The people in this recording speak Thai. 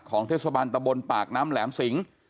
ของทศบัณฑ์ตะบลปากน้ำแหลมสิง